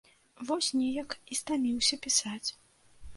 Вось неяк і стаміўся пісаць.